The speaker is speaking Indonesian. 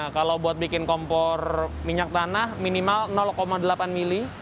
kalau buat bikin kompor minyak tanah minimal delapan mili